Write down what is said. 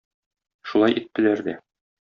Шулай иттеләр дә.